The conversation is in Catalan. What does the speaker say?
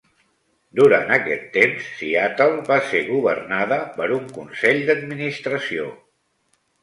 Durant aquest temps, Seattle va ser governada per un consell d'administració.